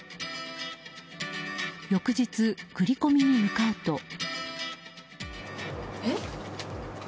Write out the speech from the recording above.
翌日、振り込みに向かうと。